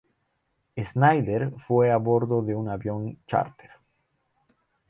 Snyder fue a bordo de un avión charter.